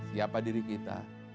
siapa diri kita